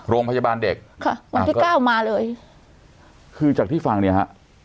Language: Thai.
โรงพยาบาลเด็กค่ะวันที่เก้ามาเลยคือจากที่ฟังเนี่ยฮะ